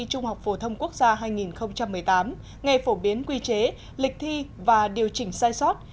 trung học phổ thông quốc gia hai nghìn một mươi tám nghe phổ biến quy chế lịch thi và điều chỉnh sai sót